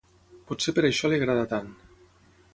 Potser per això li agrada tant.